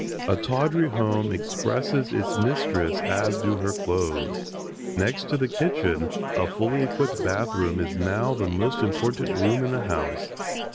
A tawdry home expresses its mistress as do her clothes. Next to the kitchen a fully equipped bath room is now the most important room in the house.